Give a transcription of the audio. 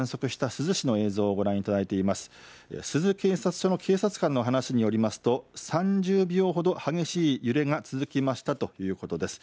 珠洲警察署の警察官の話によりますと３０秒ほど激しい揺れが続きましたということです。